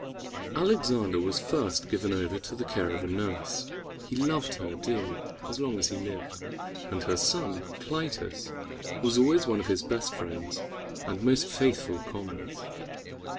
Alexander was first given over to the care of a nurse. He loved her dearly as long as he lived, and her son Cly´tus was always one of his best friends and most faithful comrades.